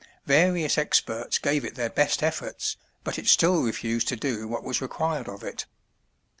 Various experts gave it their best efforts, but it still refused to do what was required of it.